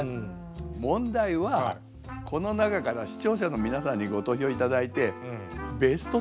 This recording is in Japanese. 問題はこの中から視聴者の皆さんにご投票頂いてベスト１０。